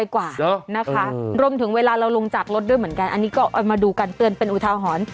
กว่านะคะรวมถึงเวลาเราลงจากรถด้วยเหมือนกันอันนี้ก็มาดูกันเตือนเป็นอุทาหรณ์